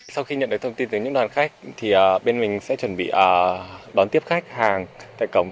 sau khi nhận được thông tin từ những đoàn khách thì bên mình sẽ chuẩn bị đón tiếp khách hàng tại cổng